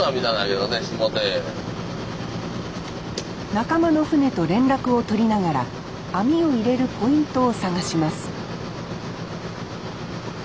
仲間の船と連絡を取りながら網を入れるポイントを探します